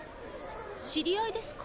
知り合いですか？